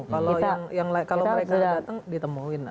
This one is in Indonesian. kalau yang kalau mereka datang ditemuin